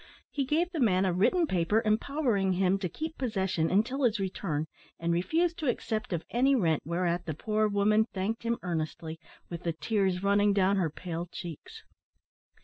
He gave the man a written paper empowering him to keep possession until his return, and refused to accept of any rent whereat the poor woman thanked him earnestly, with the tears running down her pale cheeks.